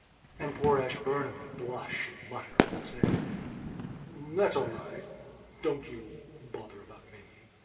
And poor Ashburnham would blush and mutter and would say: "That's all right. Don't you bother about me."